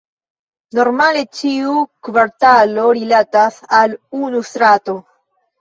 Normale ĉiu kvartalo rilatas al unu strato.